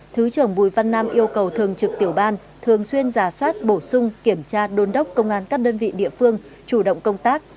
thứ trưởng bùi văn nam yêu cầu thường trực tiểu ban thường xuyên giả soát bổ sung kiểm tra đôn đốc công an các đơn vị địa phương chủ động công tác